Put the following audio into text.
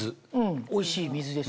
おいしい水ですよ。